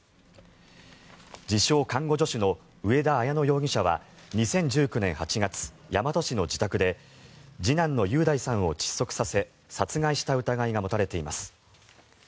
自称・看護助手の上田綾乃容疑者は２０１９年８月、大和市の自宅で次男の雄大さんを窒息させ殺害した疑いが持たれています。